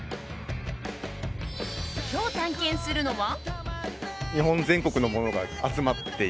今日、探検するのは。